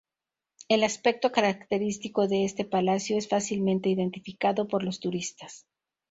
El aspecto característico de este palacio es fácilmente identificado por los turistas.